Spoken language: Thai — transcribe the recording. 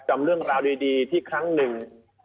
จำเรื่องราวดีที่ครั้งหนึ่ง